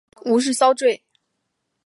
无饰蚤缀